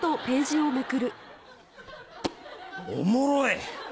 おもろい！